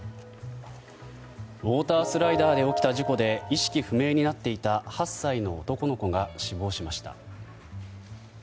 ウォータースライダーで起きた事故で意識不明になっていた８歳の男の子が死亡しました。